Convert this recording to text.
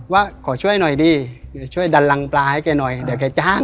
ว่าขอช่วยหน่อยดีเดี๋ยวช่วยดันรังปลาให้แกหน่อยเดี๋ยวแกจ้าง